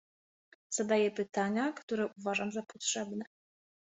"Zadaję pytania, które uważam za potrzebne."